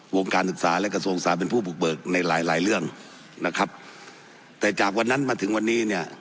วงการศึกษาและกระทรวงศาสตร์เป็นผู้บุกเบิกในหลายหลายเรื่องนะครับแต่จากวันนั้นมาถึงวันนี้เนี่ย